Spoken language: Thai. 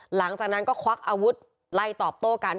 หลังจากนั้นก็ควักอาวุธไล่ตอบโต้กัน